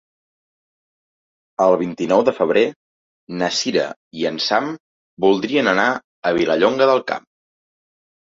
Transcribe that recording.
El vint-i-nou de febrer na Cira i en Sam voldrien anar a Vilallonga del Camp.